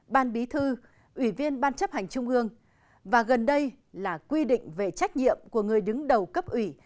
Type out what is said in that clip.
ban bí thư ủy viên ban chấp hành trung ương và gần đây là quy định về trách nhiệm của người đứng đầu cấp ủy